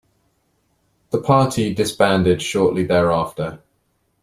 The party disbanded shortly thereafter.